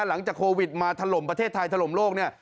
หลังจากโควิดมาถล่มประเทศไทยถล่มโลกเนี่ย